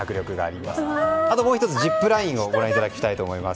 もう１つ、ジップラインもご覧いただきたいと思います。